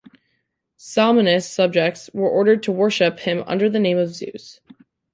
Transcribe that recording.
Salmoneus' subjects were ordered to worship him under the name of Zeus.